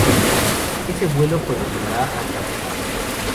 Ese vuelo continuaría hasta Busán.